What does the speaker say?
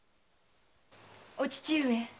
お父上。